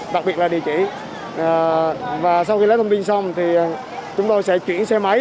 đặc biệt là địa chỉ và sau khi lấy thông tin xong thì chúng tôi sẽ chuyển xe máy